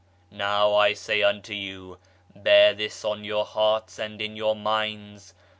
1 ' l Now I say unto you, bear this on your hearts and in your minds.